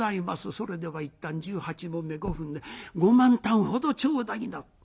それでは１反１８匁５分で５万反ほど頂戴な」。